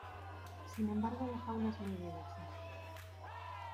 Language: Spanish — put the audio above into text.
Sin embargo la fauna es muy diversa.